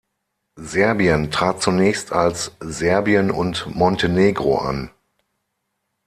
Serbien trat zunächst als Serbien und Montenegro an.